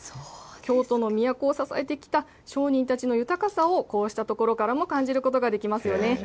京都の都を支えてきた商人たちの豊かさをこうしたところからも感じることができますよね。